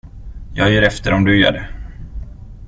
Jag ger efter om du gör det.